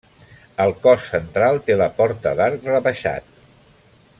Al cos central té la porta d'arc rebaixat.